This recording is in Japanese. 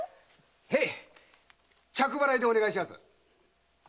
へい着払いでお願いします。